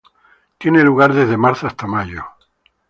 Tiene lugar desde marzo hasta mayo.